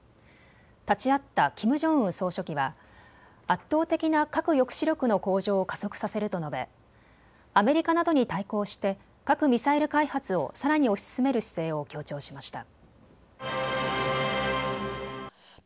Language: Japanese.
立ち会ったキム・ジョンウン総書記は圧倒的な核抑止力の向上を加速させると述べアメリカなどに対抗して核・ミサイル開発をさらに推し進める姿勢を強調しました。